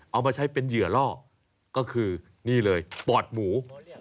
เอามาใช้เป็นเหยื่อล่อก็คือนี่เลยปอดหมู